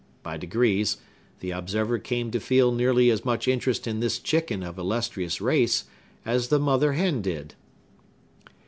By degrees, the observer came to feel nearly as much interest in this chicken of illustrious race as the mother hen did.